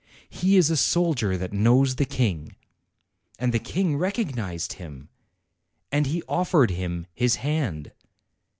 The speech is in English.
"He is a soldier that knows the King." "And the King recognized him." "And he offered him his hand."